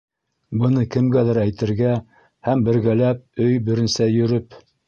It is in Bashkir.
Быны кемгәлер әйтергә һәм бергәләп, өй беренсә йөрөп...